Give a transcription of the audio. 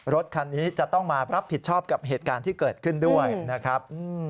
รถคันนี้จะต้องมารับผิดชอบกับเหตุการณ์ที่เกิดขึ้นด้วยนะครับ